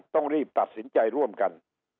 ต้องรีบตัดสินใจร่วมกัน